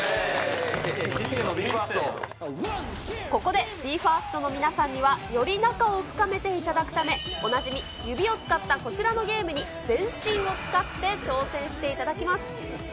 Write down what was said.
ここでＢＥ：ＦＩＲＳＴの皆さんには、より仲を深めていただくため、おなじみ、指を使ったこちらのゲームに、全身を使って挑戦していただきます。